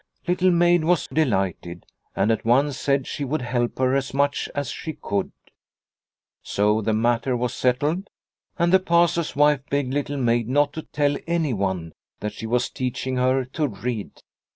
Little Maid was delighted, and at once said she would help her as much as she could. So the matter was settled, and the Pastor's wife begged Little Maid not to tell anyone that she was teaching her to read.